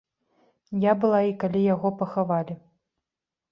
Я была і калі яго пахавалі.